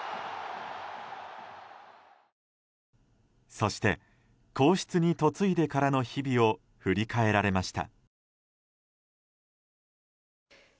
そして、皇室に嫁いでからの日々を振り返られました。